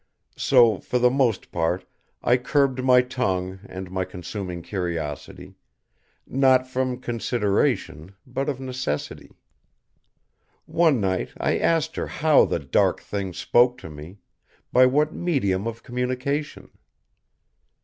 So for the most part I curbed my tongue and my consuming curiosity; not from consideration, but of necessity. One night I asked her how the dark Thing spoke to me, by what medium of communication.